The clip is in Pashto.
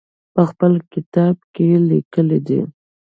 په خپل کتاب کې یې لیکلي دي.